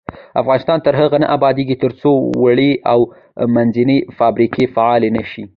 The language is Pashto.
افغانستان تر هغو نه ابادیږي، ترڅو وړې او منځنۍ فابریکې فعالې نشي.